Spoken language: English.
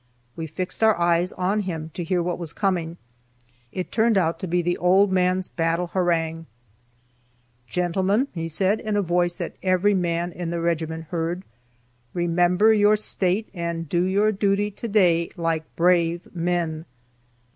We fixed our eyes on him to hear what was coming. It turned out to be the old man's battle harangue. "Gentlemen," said he, in a voice that every man in the regiment heard, "remember your State, and do your duty today like brave men."